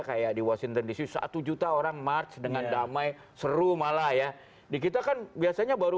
kayak di washington dc satu juta orang march dengan damai seru malah ya di kita kan biasanya baru